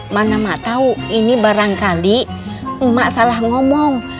mana mak tau ini barangkali mak salah ngomong